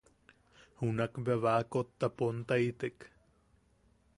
Junak bea baakotta pontaitek.